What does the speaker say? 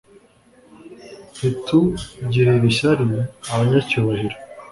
ntitugirire ishyari abanyacyubahiro